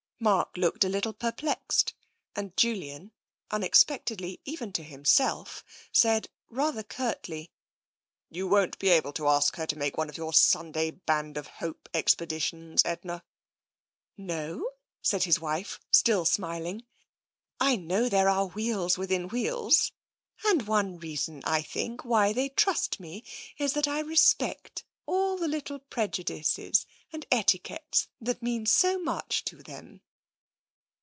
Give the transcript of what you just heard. Mark looked a little perplexed, and Julian, unex pectedly even to himself, said rather curtly :" You won't be able to ask her to make one of your Sunday Band of Hope expeditions, Edna." " No? " said his wife, still smiling. " I know there are wheels within wheels, and one reason, I think, why they trust me is that I respect all the little prejudices and etiquettes that mean so much to them.